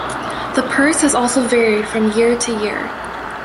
The purse has also varied from year to year.